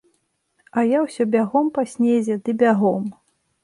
А я ўсё бягом па снезе ды бягом.